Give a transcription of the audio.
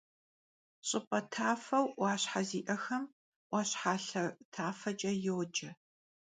Ş'ıp'e tafeu 'Uaşhe zi'exem — 'Uaşhalhe tafeç'e yoce.